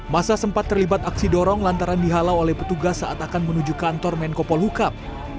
masa sempat terlibat aksi dorong lantaran dihalau oleh petugas saat akan menuju kantor menko polhukam